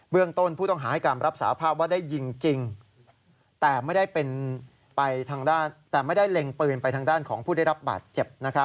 เบื้องต้นผู้ต้องหาให้การรับสาภาพว่าได้ยิงจริงแต่ไม่ได้เล็งปืนไปทางด้านของผู้ได้รับบาดเจ็บ